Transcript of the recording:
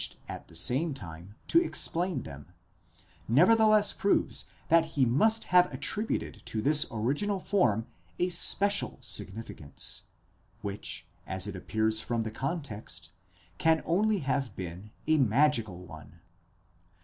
449 at the same time to explain them, nevertheless proves that he must have attributed to this original form a special significance, which, as it appears from the context, can only have been a magical one.